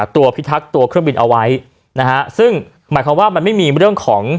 พิทักษ์ตัวเครื่องบินเอาไว้นะฮะซึ่งหมายความว่ามันไม่มีเรื่องของ